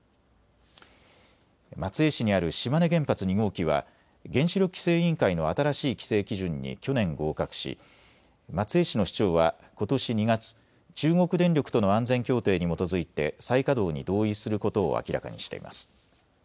松江市にある島根原発２号機は原子力規制委員会の新しい規制基準に去年合格し松江市の市長はことし２月、中国電力との安全協定に基づいて再稼働に同意することを明らかにしています。